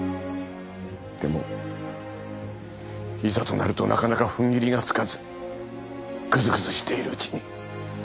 でもいざとなるとなかなかふんぎりがつかずぐずぐずしているうちに。